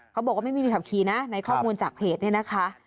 บอกว่าไม่มีขับขี่นะในข้อมูลจากเพจเนี่ยนะคะ